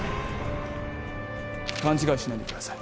勘違いしないでください。